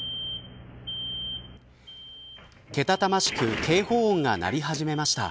けたたましく警報音が鳴り始めました。